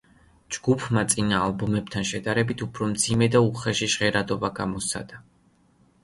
ჯგუფმა წინა ალბომებთან შედარებით უფრო მძიმე და უხეში ჟღერადობა გამოსცადა.